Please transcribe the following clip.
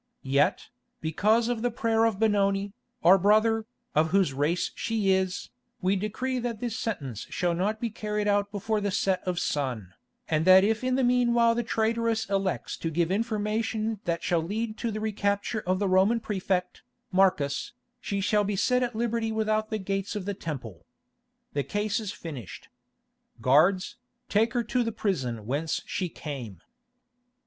Yet, because of the prayer of Benoni, our brother, of whose race she is, we decree that this sentence shall not be carried out before the set of sun, and that if in the meanwhile the traitress elects to give information that shall lead to the recapture of the Roman prefect, Marcus, she shall be set at liberty without the gates of the Temple. The case is finished. Guards, take her to the prison whence she came."